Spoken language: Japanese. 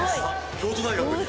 京都大学で。